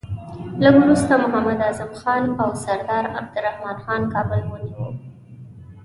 لږ وروسته محمد اعظم خان او سردار عبدالرحمن خان کابل ونیوی.